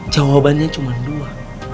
jawabannya cuma dua